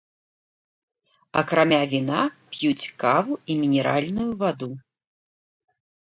Акрамя віна п'юць каву і мінеральную ваду.